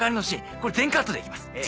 これ全カットでいきますええ。